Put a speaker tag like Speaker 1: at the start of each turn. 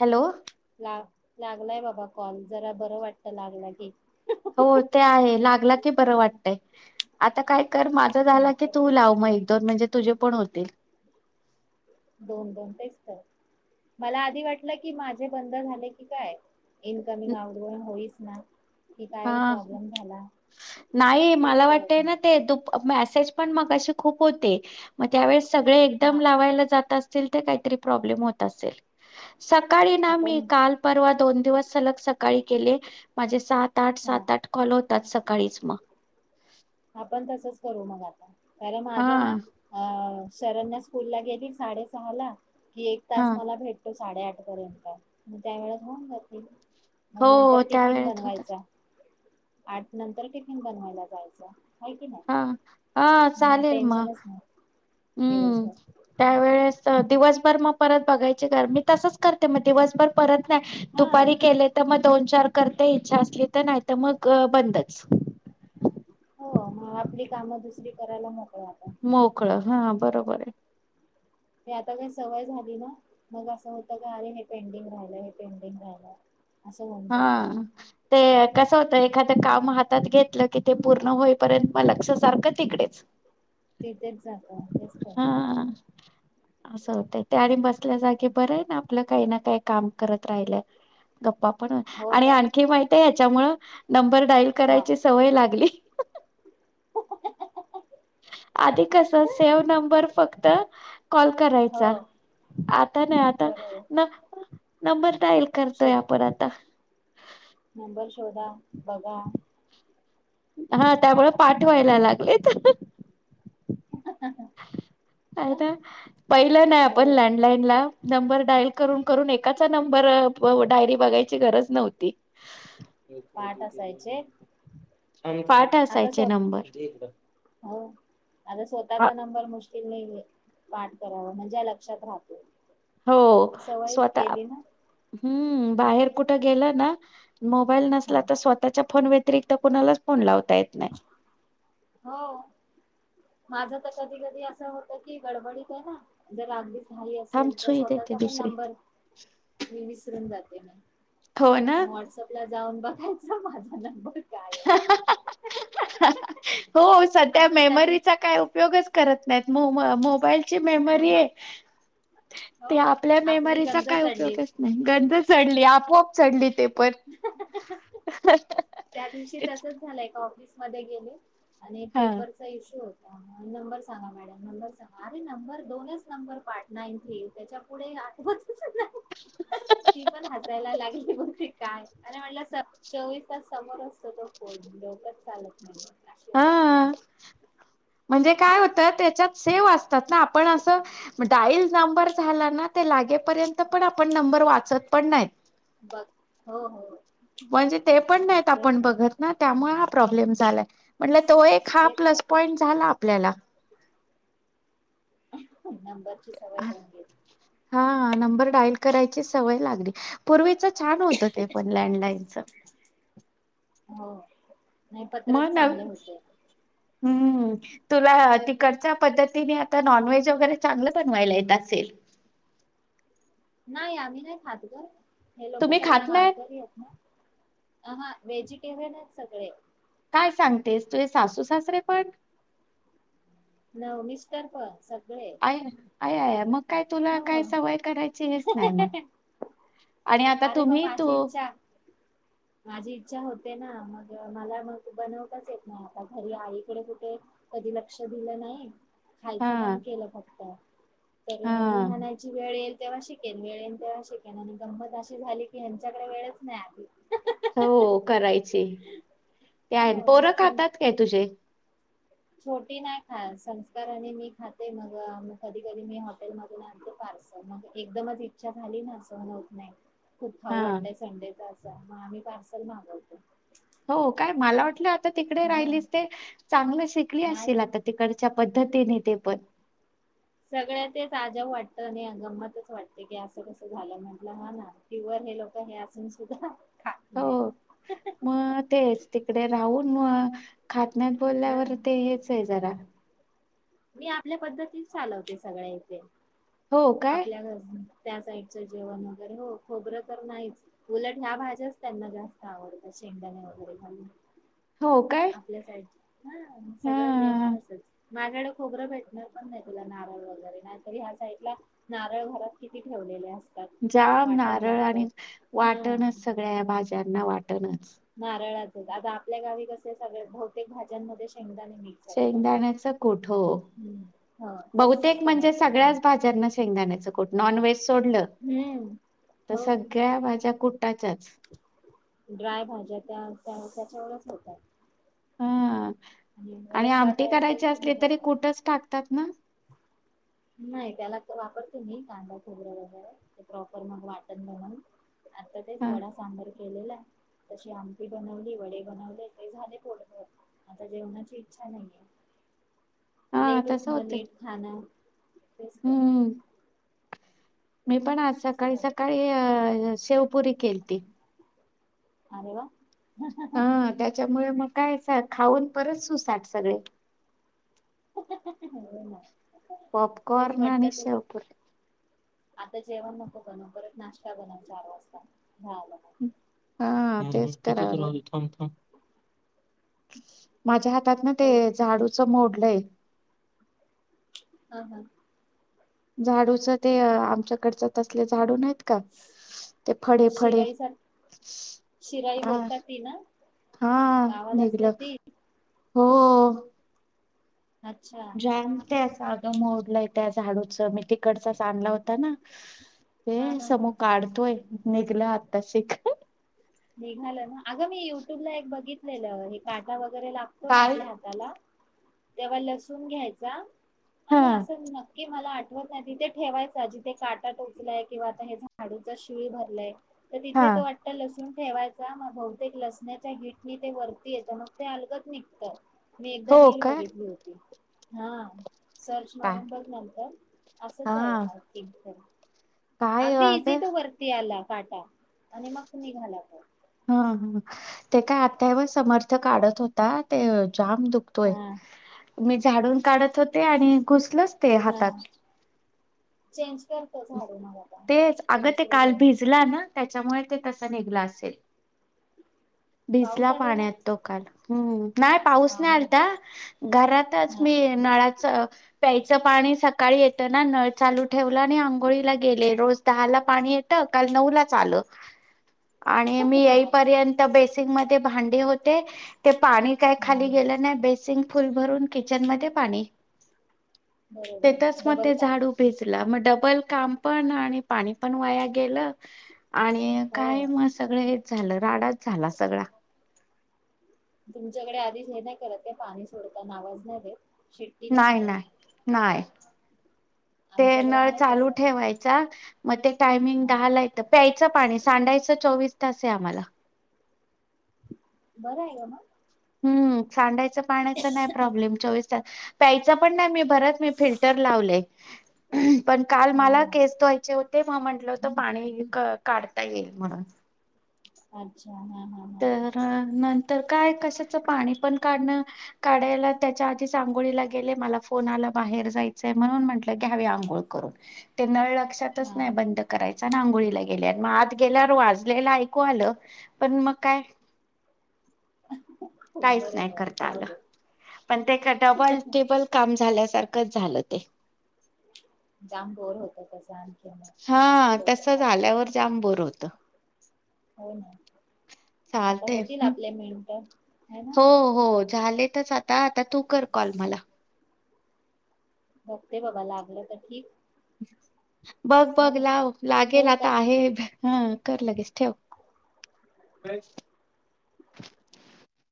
Speaker 1: Hello.
Speaker 2: ला लागलाय बाबा कॉल. जरा बरं वाटत लागला की.
Speaker 1: हो ते आहे लागला की बरं वाटतय. आता काय. कर माझा झाला की.
Speaker 2: नाहीतर
Speaker 1: तू लाव मग एक-दोन म्हणजे. तुझे पण होतील.
Speaker 2: हो-हो तेच तर, मला आधी वाटलं की माझे बंद झाले की काय. इनकमिंग आऊटगोइग होईच ना. कि काय
Speaker 1: हा
Speaker 2: प्रॉब्लेम झाला
Speaker 1: नाही
Speaker 2: तेच
Speaker 1: मला वाटत
Speaker 2: कळत
Speaker 1: ना
Speaker 2: नाही
Speaker 1: ते दुप मेसेज. पण मगाशी खूप होते. मग त्यावेेळेस सगळे
Speaker 2: हा
Speaker 1: एकदम लावायला जातास असतील तर काहीतरी प्रॉब्लेम होत असेल. सकाळी ना मी
Speaker 2: आपण
Speaker 1: काल परवा दोन तेव्हा सलग सकाळी केले. माझे सात आठ,
Speaker 2: हा
Speaker 1: सात, आठ कॉल होत आज सकाळीच मग
Speaker 2: आपण तसच करू मग आता. कारण माझं ना
Speaker 1: हा.
Speaker 2: अ शरण्या स्कूल ला गेली साडेसहा ला. कि एक
Speaker 1: हा
Speaker 2: तास मला भेटतोच. साडे आठ पर्यंत. म त्या वेळेस होऊन जातील.
Speaker 1: हो
Speaker 2: मग नंतर
Speaker 1: त्या
Speaker 2: टिफिन
Speaker 1: वेळेत होत.
Speaker 2: बनवायचा आठ नंतर टिफीन बनवायला जायचं.
Speaker 1: हा हा चालेल मग.
Speaker 2: टेन्शनच नाही
Speaker 1: [inaudible] हम्म
Speaker 2: दिवसभर
Speaker 1: त्यावेेळेस दिवसभर मग परत बघायचे गार मी तसंच करते मग दिवसभर परत [unintelligible]
Speaker 2: हा
Speaker 1: दुपारी केले तर म दोन, चार करते इच्छा असली तर नाही तर मग अ बंदच
Speaker 2: हो मग आपली कामं. दुसरी करायला मोकळे.
Speaker 1: मोकळं हा बरोबर आहे
Speaker 2: ते आता काय सवय झाली ना. मग असं होतं ना अरे हे पेंडिंग राहिलं. हे पेंडिंग राहिलं असं होऊन
Speaker 1: हा
Speaker 2: जातं
Speaker 1: ते कसं होतं एखादं काम हातात घेतलं. की ते पूर्ण होईपर्यंत म लक्ष सारखे तिकडेच
Speaker 2: तिथेच जात तेच तर
Speaker 1: हा असं होतय ते आणि बस ल्या जागी बरं आहे ना आपलं काही ना काही काम करत राहिल गप्पा पण
Speaker 2: हो
Speaker 1: आणि
Speaker 2: तर
Speaker 1: आणखी माहित्यांय हयात. त्यामुळं नंबर डाईल
Speaker 2: हा
Speaker 1: करायची सवय लागली आधी कसं सेव नंबर फक्त कॉल
Speaker 2: हो
Speaker 1: करायचा. आता नाही आता
Speaker 2: बरोबर
Speaker 1: ना ह् नंबर डाईल करतोय
Speaker 2: शोध
Speaker 1: आपण आता
Speaker 2: नंबर शोधा बघा
Speaker 1: हा त्यामुळे
Speaker 2: असं होऊन
Speaker 1: पाठवायला
Speaker 2: जात
Speaker 1: लागलेत ह् का ना पहिलं नाही
Speaker 2: हो
Speaker 1: आपण लाॅएलाईनला. ला नंबर डाईल करून-करून एकाचा नंबर डायरी बघायची गरज नव्हती
Speaker 2: पाठ असायचे
Speaker 1: पाठ
Speaker 2: आता
Speaker 1: असायचे
Speaker 2: स्व
Speaker 1: नंबर
Speaker 2: आताचा नंबर मुश्किल तीन महिने. पाठ करावं म्हणजे लक्षात राहतो
Speaker 1: हो
Speaker 2: सवयच
Speaker 1: स्वतः
Speaker 2: केली ना
Speaker 1: हम्म बाहेर कुठं गेला ना मोबाईल नसला
Speaker 2: हा
Speaker 1: तर स्वतःच्या फोन व्यतिरिक्त तर कुणाला फोन लाव येत नाही..
Speaker 2: हो माझं तर कधी कधी असं होत की. गडबडीत आहे ना. जर लागलीच घाई
Speaker 1: थांब
Speaker 2: असेल तर
Speaker 1: सुई देते
Speaker 2: स्वतःचा पण
Speaker 1: दुसरी
Speaker 2: नंबर. मी विसरून जाते.
Speaker 1: हो
Speaker 2: म
Speaker 1: ना
Speaker 2: व्हॉट्सअपला. जाऊन बघायच माझा नंबर काय हं हहं.
Speaker 1: हं हंंहह हं... हो सध्या
Speaker 2: असंच त्या दिवशी
Speaker 1: मेमरीचा काय उपयोगच. करत नाहीत. मोम मोबाईल ची
Speaker 2: हा
Speaker 1: मेमरी
Speaker 2: हा,
Speaker 1: ते,
Speaker 2: हो
Speaker 1: आपल्या
Speaker 2: आपली
Speaker 1: मेमरीचा
Speaker 2: गंज
Speaker 1: काय
Speaker 2: चढली
Speaker 1: उपयोगच नाही, गंज चडली आपोआप. चढली ते पण [inaudible]
Speaker 2: त्या दिवशी तसचं झालंय, एका ऑफिस मध्ये गेले. आणि
Speaker 1: हा
Speaker 2: पेपरचा इश्यू होता. नंबर सांगा मॅडम, नंबर सांगा, अरे नंबर दोनच नंबर पाट नाहीतय त्याच्या पुढं आठवतच ती पण, हसायला लागली होती. काय? अरे म्हटलं सब चोवीस त्या समोर असतो तो फोन डोकच चालत नाहीय.
Speaker 1: हा अं म्हणजे काय होतं? त्याच्यात सेव असत त्यातन आपण असं डाईल नंबर झाला ना, ते लागेपर्यंत पण आपण, नंबर वाचत पण नाही.
Speaker 2: बघ हो हो.
Speaker 1: म्हणजे ते पण नाहीत आपण बघत ना, त्यामुळ हा प्रोब्लेम झालाय. म्हटलं, तो एक हा
Speaker 2: तेच
Speaker 1: प्लस
Speaker 2: तर
Speaker 1: पॉईंट झाला. आपल्याला
Speaker 2: नंबरची सवय होऊन गेली
Speaker 1: हां नंबर डायल करायची सवय लागली. पूर्वीचं छान होतं ते पण लँडलाइनच.
Speaker 2: हो. नाही पत्रच चांगले होते.
Speaker 1: हम्म तुला तिकडच्या पद्धतीने आता नॉनव्हेज वगैरे चांगलं बनवायला येत असेल?
Speaker 2: नाही आम्ही नाही खात गं. हे लोकं
Speaker 1: तुम्ही
Speaker 2: सगळे
Speaker 1: खात नाही
Speaker 2: मारकरी आहेत ना, अहा व्हेजि टेरियन आहेत सगळे.
Speaker 1: काय सांगतेस तुझे सासू-सासरे पण?
Speaker 2: नव मिस्टर पण स
Speaker 1: आयन आय आय मग काय तुला
Speaker 2: हो
Speaker 1: काय सवय करायची हेच नाही मग आणि आता
Speaker 2: अरे मग
Speaker 1: तुम्ही तू
Speaker 2: माझी इच्छा माझी इच्छा होते ना मग मला मग बनवताच येत नाही आता घरी आईकडे कुठे कधी लक्ष दिलं नाही.
Speaker 1: हा
Speaker 2: खायचं म्हणून केलं फक्त.
Speaker 1: हा
Speaker 2: तेव्हा मी म्हणायची वेळ येईल तेव्हा शिकेन. वेळ येईल तेव्हा शिकेन आणि गंमत अशी झाली की ह्यांच्याकडे वेळच नाही आली.
Speaker 1: हो करायचे ते आहे.
Speaker 2: हो
Speaker 1: पोरं
Speaker 2: सं
Speaker 1: खातात काय तुझे?
Speaker 2: छोटी नाही खात. संस्कार आणि मी खाते. मग म कधी-कधी मी हॉटेल मधून आणते पार्सल मग एकदमच इच्छा झाली ना सहण होत नाही. खूप खाऊ
Speaker 1: हा
Speaker 2: वाटतंय संडे मग आम्ही पार्सल मागवतो.
Speaker 1: हो काय मला वाटलं. तिकडे
Speaker 2: हा
Speaker 1: राहिली ते चांगलं शिकली
Speaker 2: नाही
Speaker 1: असशील आता तिकडच्या. पद्धतीने ते पण.
Speaker 2: सगळ्यातच अजब वाटत. आणि हे गमतच वाटते. की असं कसं झालं म्हंटलं हा ना पीवर हे लोक असे असून सुद्धा. खात
Speaker 1: हो
Speaker 2: नाही
Speaker 1: मग तेच तिकडे राहून म. खात. नाही
Speaker 2: हा
Speaker 1: बोलल्यावर ते हेच आहे जरा.
Speaker 2: मी आपल्या पद्धतीत चालवते सगळ्या इथे.
Speaker 1: हो काय
Speaker 2: आपल्या घरच‌. त्या साईडचं जेवण वगैरे हो खोबरं तर नाहीच उलट ह्या भाज्याच त्यांना जास्त आवडतात. शेंगदाणे वगैरे घालुन.
Speaker 1: हो काय
Speaker 2: आपल्या साईडच ह सगळं जेवण
Speaker 1: हा
Speaker 2: तसच. माझ्याकडे खोबरं भेटणार पण नाही तुला. नारळ वगैरे नाहीतरी ह्या साईडला नारळ घरात किती ठेवलेले असतात.
Speaker 1: जाम
Speaker 2: वाटण
Speaker 1: नारळ
Speaker 2: लागत
Speaker 1: आणि
Speaker 2: हा
Speaker 1: वाटणच सगळ्या भाज्यात. नावाट टणच- [inaudible]
Speaker 2: नारळाचच आता आपल्या गावी कसे सगळ बहुतेक भाज्यांमध्ये शेंगदाणे मिक्स असतात.
Speaker 1: शेंगदाण्याच कुठ हो,
Speaker 2: हम्म. हा
Speaker 1: [inaudible]
Speaker 2: तसच
Speaker 1: बहुतेक म्हणजे
Speaker 2: बनवते मम्मा.
Speaker 1: सगळ्याच भाज्यांना शेंगदाण्याचं कुट नॉनव्हेज सोडलं,
Speaker 2: हम्म.
Speaker 1: [inaudible] तर
Speaker 2: हो
Speaker 1: सगळ्या भाज्या कुठ.
Speaker 2: [inaudible] ड्राय भाज्या त्या त्याच्यावर पण हो
Speaker 1: [inaudible] आणि
Speaker 2: रस्सा
Speaker 1: आमटे
Speaker 2: काय असेल
Speaker 1: करायचे
Speaker 2: की
Speaker 1: असले
Speaker 2: मग
Speaker 1: तरी
Speaker 2: वाटण.
Speaker 1: कुठंच टाकतात ना?
Speaker 2: [inaudible] नाही त्याला तर वापरते मी कांदा खोबरं वगैरे, ते प्रॉपर मग वाटण बाणवून. आता तेच
Speaker 1: हा
Speaker 2: वडा सांबार की केलेला [inaudible] तशी आमटी बनवली, वडे बनवले, ते झाले थोडे बाणवून आता जेवणाची इच्छा नाहीेय, [inaudible] [inaudible]
Speaker 1: हा
Speaker 2: लेट
Speaker 1: तसं
Speaker 2: उठण
Speaker 1: होतं
Speaker 2: लेट खान. [inaudible]
Speaker 1: [inaudible] हम्म. [inaudible] मी पण आज
Speaker 2: असं झालं.
Speaker 1: सकाळी-सकाळी अ शेवपुरी केलती, [inaudible]
Speaker 2: [inaudible] आरे वा! [inaudible]
Speaker 1: [inaudible] हा त्याच्यामुळे मग काय स, खाऊन परत सुसाट सगळे, [inaudible]
Speaker 2: [unintelligible] तेच
Speaker 1: पॉपकॉर्न
Speaker 2: म्हटलं
Speaker 1: आणि
Speaker 2: तू
Speaker 1: शेवपुरी
Speaker 2: आता जेवण नको बनवू, परत नाश्टा बनव चार वास्ता हा.
Speaker 1: हा तेच करायलोय. माझ्या हातात ना ते,
Speaker 2: मग
Speaker 1: झाडूच मोडलंय.
Speaker 2: हा हा.
Speaker 1: झाडूचं ते आमच्याकडचं तसलं झाडू नाहीत? का ते फडे फडे
Speaker 2: शिराई सार शिराई
Speaker 1: हा
Speaker 2: बोलतात ती ना
Speaker 1: हा
Speaker 2: गावाला असते
Speaker 1: निघलं.
Speaker 2: ती
Speaker 1: हो.
Speaker 2: अच्छा
Speaker 1: [unintelligible] त्या झाडूचं मी तिकडचाच आणला होता ना. ते
Speaker 2: हा हा हा
Speaker 1: समु काढतोय. निघलं आता शिख.
Speaker 2: निघालं ना अगं मी युट्यूब ला एक बघितलेलं हे काटा वै गरे लागतो ना
Speaker 1: काय
Speaker 2: आपल्या हाताला. तेव्हा लसूण घ्यायचा.
Speaker 1: हा
Speaker 2: आणि असं नक्की मला आट वत नाही तिथे ठेवायचा जिथे काटा टोचलाय किंवा आता हे झाडूचा शिळ भरलाय. त
Speaker 1: हा
Speaker 2: तिथे तो आता लस ठेवायचा मग बहुतेक लसण्याच्या हीटनी ते वरती येतं, मग ते अलगत निघतं. मी एकदा
Speaker 1: हो
Speaker 2: रील
Speaker 1: का
Speaker 2: बघितली होती. हा. सर्च
Speaker 1: काय
Speaker 2: मारून बघ नंतर, असंच आहे
Speaker 1: हा
Speaker 2: आय थिंक.
Speaker 1: काय
Speaker 2: अगदी
Speaker 1: वाग
Speaker 2: इझी टू
Speaker 1: हा
Speaker 2: वरती आला. काटा आणि मग तुम्ही घाला.
Speaker 1: हा हा ते काय अथर्व समर्थ काढत होता. ते जाम दुखतोय.
Speaker 2: हा
Speaker 1: मी झाडून काढत होते आणि घुसलंच ते
Speaker 2: हा
Speaker 1: हातात.
Speaker 2: चेंज करतो झाडू मग आता
Speaker 1: तेच अगं ते
Speaker 2: दुसरे
Speaker 1: काल
Speaker 2: घेऊन
Speaker 1: भिजला ना. त्याच्यामुळे ते तसं निघलं असेल. भिजला
Speaker 2: पाऊस आलेला
Speaker 1: पाण्यात तो काल, हम्म, नाही पाऊस नाही आलता
Speaker 2: पाण्यात
Speaker 1: घरातच
Speaker 2: हा
Speaker 1: मी नळाचं प्याय चं पाणी सकाळी येतं ना, नळ चालू ठेवलं आणि आंग गोळीला गेले, रोज दहाला पाणी येतं काल नऊलाच आलं. आणि मी
Speaker 2: अच्छा
Speaker 1: येईपर्यंत बेसींगमध्ये भांडी होत ते ते पाणी काय
Speaker 2: हा
Speaker 1: खाली गेलं नाही बेसिंग फुल भरून किचन मध्ये पाणी.
Speaker 2: बरोबर
Speaker 1: तेथच मग
Speaker 2: डबल
Speaker 1: ते
Speaker 2: काम
Speaker 1: झाडू भीज हा म डबल काम पण आणि पाणी पण वाया गेलं. आणि
Speaker 2: हो
Speaker 1: काय मग सगळेच झालं राडाच झाला सगळा.
Speaker 2: तुमच्याकडे आधीच हे नाही करत पाणी सोडताना आवाज नाही देत. शिट्टी
Speaker 1: नाही
Speaker 2: मारत
Speaker 1: नाही नाहीय. ते
Speaker 2: आमच्याकडे
Speaker 1: नळ
Speaker 2: आहे
Speaker 1: चालू
Speaker 2: तसं
Speaker 1: ठेवायचा मग ते टायमिंग
Speaker 2: हा
Speaker 1: दहाला येतं प्यायचं पाणी सांडायचं चोवीस तसंय आम्हाला.
Speaker 2: बरं आहे गं मग
Speaker 1: हम्म सांडाय चा पाण्याचा नाही प्रॉब्लेम चोवीस तास. प्यायचा पण नाही मी भर परत मी फिल्टर लावलय, पण काल
Speaker 2: हा
Speaker 1: मला
Speaker 2: हा
Speaker 1: केस धुवायचे होते. तेव्हा म्हंटलं होतं पाणी काढता येईल म्हणून.
Speaker 2: अच्छा हां
Speaker 1: तर नंतर काय कशाच पाणी पण काढणं, काढायला त्याच्या आधीच आंघोळीला गेले मला फोन आला बाहेर जायचंय म्हणून म्हंटलं घ्यावी आंघोळ करून ते नळ लक्षातच
Speaker 2: हा
Speaker 1: नाही बंद करायचा न आंघोळीला गेले. गेले मग आत गेल्यावर वाजलेला ऐकू आलं पण मग काय?
Speaker 2: हो
Speaker 1: काहीच नाही
Speaker 2: बरोबर
Speaker 1: करता
Speaker 2: जाऊ
Speaker 1: आलं
Speaker 2: दे
Speaker 1: पण ते का डबल, टिबल काम झालं. सारखच झालं ते.
Speaker 2: जाम बोर होत तस.
Speaker 1: हा तसं झाल्यावर जाम बोर होत.
Speaker 2: हो ना आता
Speaker 1: चालते
Speaker 2: होतील आपले मिळून हं
Speaker 1: हो हो झालेतच आता आता तू कर कॉल मला.
Speaker 2: बघते बाबा लागलं तर ठीक.
Speaker 1: बघ
Speaker 2: है
Speaker 1: बघ
Speaker 2: ना
Speaker 1: लाव लागेल
Speaker 2: ठेवू
Speaker 1: आता
Speaker 2: का
Speaker 1: आहे ह कर लगेच ठेव. [inaudible]